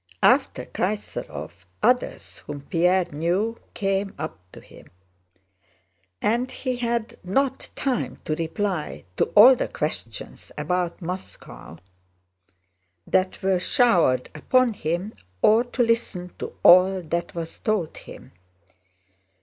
After Kaysárov, others whom Pierre knew came up to him, and he had not time to reply to all the questions about Moscow that were showered upon him, or to listen to all that was told him.